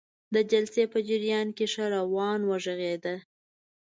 د جلسې په جریان کې ښه روان وغږیده.